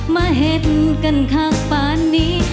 มาเห็นกันข้างป่านนี้